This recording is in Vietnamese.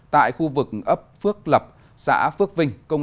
tại khu vực ấp phước lập xã phước vinh công an tỉnh tây ninh